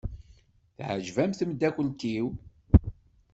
Teɛjeb-am tmeddakelt-iw?